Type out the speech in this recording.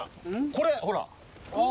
これほら。